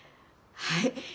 はい！